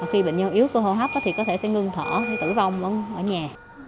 khi bệnh nhân yếu cơ hô hấp thì có thể sẽ ngưng thở hay tử vong ở nhà